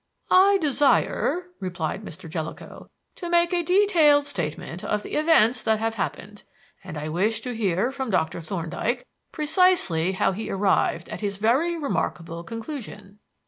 "I desire," replied Mr. Jellicoe, "to make a detailed statement of the events that have happened, and I wish to hear from Doctor Thorndyke precisely how he arrived at his very remarkable conclusion.